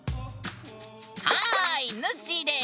はいぬっしーです。